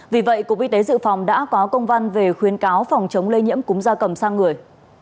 vì vậy cục y tế dự phòng đã có công văn về khuyến cáo phòng chống lây nhiễm cúng gia cầm sang người